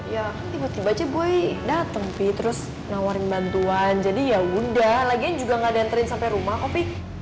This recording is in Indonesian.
ya kan tiba tiba aja boy dateng fi terus nawarin bantuan jadi yaudah lagian juga gak ada yang terin sampe rumah kok fi